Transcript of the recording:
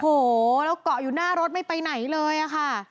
โอ้โหแล้วเกาะอยู่หน้ารถไม่ไปไหนเลยอะค่ะ